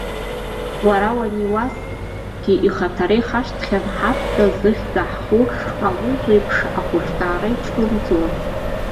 Уара уаниуазгьы, ихаҭара ихашҭхьан, ҳаб ҳәа зыхьӡ ҳху, алужә еиԥш ахәышҭаара иҽҳәымҵуа.